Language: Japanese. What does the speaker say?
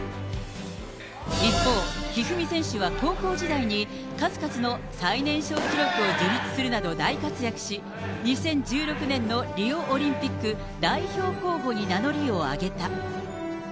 一方、一二三選手は高校時代に、数々の最年少記録を樹立するなど大活躍し、２０１６年のリオオリンピック代表候補に名乗りを上げた。